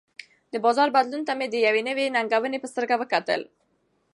د بازار بدلون ته مې د یوې نوې ننګونې په سترګه وکتل.